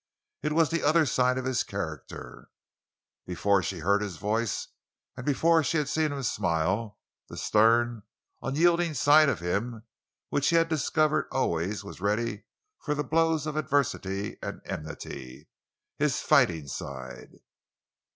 It was the other side of his character; before she had heard his voice, and before she had seen him smile—the stern, unyielding side of him which she had discovered always was ready for the blows of adversity and enmity—his fighting side.